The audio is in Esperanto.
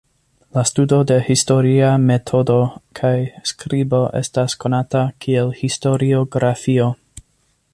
La studo de historia metodo kaj skribo estas konata kiel historiografio.